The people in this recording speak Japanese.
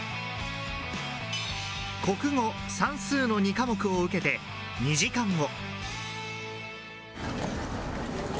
国語、算数の２科目を受けて２時間後。